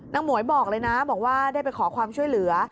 หมวยบอกเลยนะบอกว่าได้ไปขอความช่วยเหลือ